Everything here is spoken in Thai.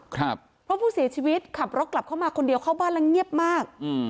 เพราะผู้เสียชีวิตขับรถกลับเข้ามาคนเดียวเข้าบ้านแล้วเงียบมากอืม